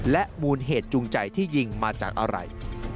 และมูลเหตุจูงใจที่ยิงมาจากอะไร